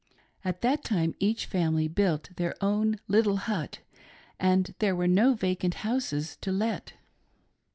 At that time each family built their own little hut, and there were no vacant houses to let.